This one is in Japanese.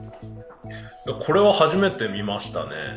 これは初めて見ましたね。